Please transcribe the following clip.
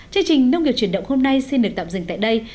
chương trình nông nghiệp chuyển động hôm nay xin được tạm dừng tại đây